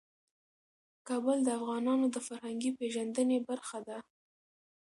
کابل د افغانانو د فرهنګي پیژندنې برخه ده.